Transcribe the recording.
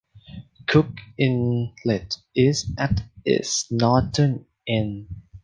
Cook Inlet is at its northern end.